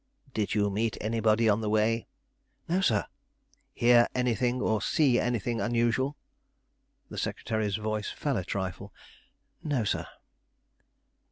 "Did you meet anybody on the way?" "No, sir." "Hear any thing or see anything unusual?" The secretary's voice fell a trifle. "No, sir."